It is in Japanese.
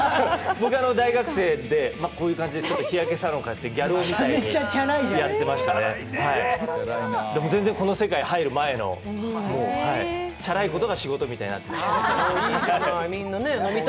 僕は大学生で、こういう感じで日焼けサロンに通ってギャル男みたいにやってましたので、全然この世界に入る前のチャラいことが仕事みたいなことになって。